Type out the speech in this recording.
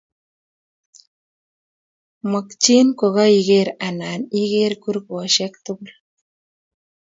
Makchin kokaiker anan iker kurgoshek tugul